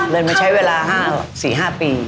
เลยมาใช้เวลา๔๕ปี